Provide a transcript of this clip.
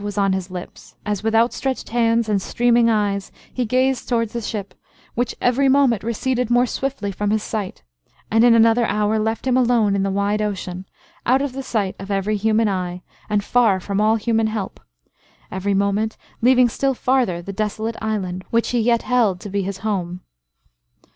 was on his lips, as, with outstretched hands and streaming eyes, he gazed towards the ship, which every moment receded more swiftly from his sight, and in another hour, left him alone in the wide ocean, out of the sight of every human eye, and far from all human help, every moment leaving still farther the desolate island, which he yet held to be his home.